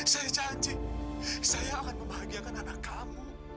saya janji saya akan membahagiakan anak kamu